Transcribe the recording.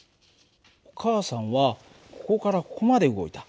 お母さんはここからここまで動いた。